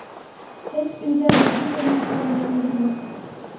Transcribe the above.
Һеҙ өйҙә бөтөнләй насар эшләйһегеҙ